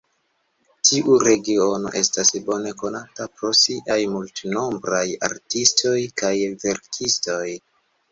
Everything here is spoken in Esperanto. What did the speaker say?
Tiu regiono estas bone konata pro siaj multnombraj artistoj kaj verkistoj.